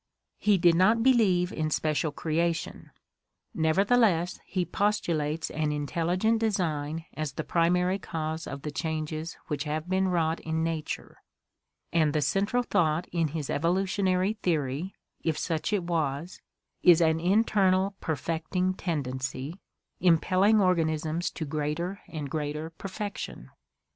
He did not believe in Special Creation, nevertheless he postulates an intelligent design as the primary cause of the changes which have been wrought in nature, and the central thought in his evolutionary theory, if such it was, is an internal perfecting tendency impelling organisms to greater and greater perfection.